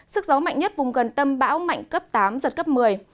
sức gió mạnh nhất vùng gần tâm bão mạnh cấp tám giật cấp một mươi